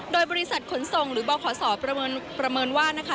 โดยบริษัทขนส่งหรือบขศประเมินว่านะคะ